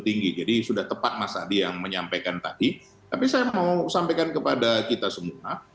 tinggi jadi sudah tepat mas adi yang menyampaikan tadi tapi saya mau sampaikan kepada kita semua